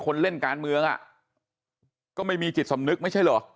คนเล่นการเมืองอ่ะก็ไม่มีจิตสำนึกไม่ใช่เหรอ